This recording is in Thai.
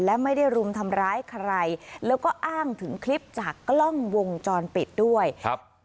และไม่ได้รุมทำร้ายใครแล้วก็อ้างถึงคลิปจากกล้องวงจรปิดด้วยครับ